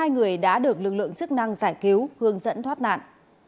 một mươi người đã được lực lượng chức năng giải cứu hướng dẫn thoát nạn